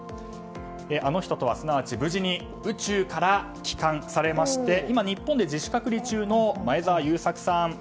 あの人とは、すなわち無事に宇宙から帰還されまして今、日本で自主隔離中の前澤友作さん。